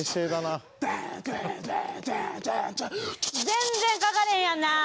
全然かかれへんやんなあ！